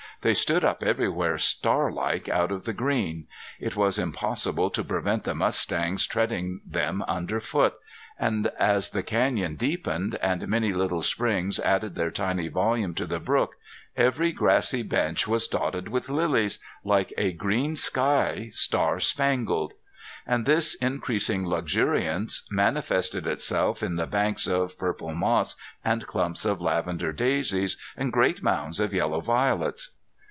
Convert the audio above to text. They stood up everywhere star like out of the green. It was impossible to prevent the mustangs treading them under foot. And as the canyon deepened, and many little springs added their tiny volume to the brook, every grassy bench was dotted with lilies, like a green sky star spangled. And this increasing luxuriance manifested itself in the banks of purple moss and clumps of lavender daisies and great mounds of yellow violets.